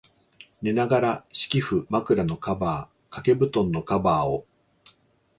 寝ながら、敷布、枕のカバー、掛け蒲団のカバーを、